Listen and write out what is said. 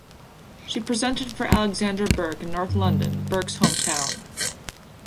She presented for Alexandra Burke in North London, Burke's home town.